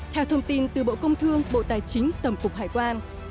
theo thông tin từ bộ công thương bộ tài chính tổng cục hải quan